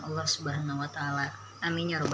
allah swt amin